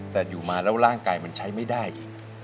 แต่อยู่มาแล้วร่างกายมันใช้ไม่ได้อีก